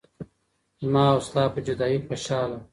زما او ستا په جدايۍ خوشحاله